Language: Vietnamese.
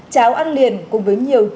cháo ăn liền cùng với nhiều chất lượng